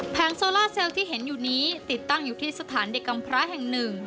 โซล่าเซลล์ที่เห็นอยู่นี้ติดตั้งอยู่ที่สถานเด็กกำพระแห่งหนึ่ง